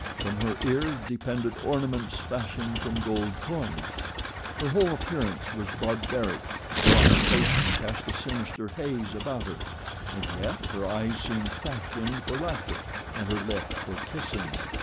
From her ears depended ornaments fashioned from gold coins. Her whole appearance was barbaric, her occupation cast a sinister haze about her; and yet her eyes seemed fashioned for laughter and her lips for kissing.